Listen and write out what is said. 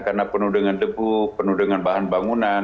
karena penuh dengan debu penuh dengan bahan bangunan